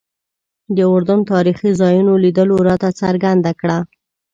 د اردن تاریخي ځایونو لیدلو راته څرګنده کړه.